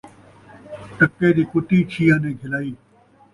ٹکے دی کتی چھی آنے گھلائی